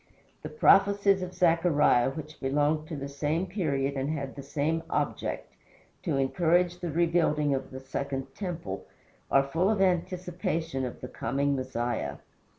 The prophecies of Zechariah, which belonged to the same period and had the same object, to encourage the rebuilding of the second temple, are full of anticipation of the coming Messiah.